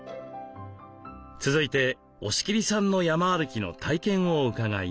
続いて押切さんの山歩きの体験を伺います。